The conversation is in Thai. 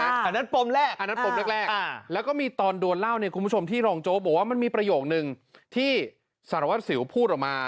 อันนั้นปมแรกอันนั้นปมแรกแล้วก็มีตอนโดนเล่าเนี่ยคุณผู้ชมที่รองโจ๊กบอกว่ามันมีประโยคนึงที่สารวัสสิวพูดออกมา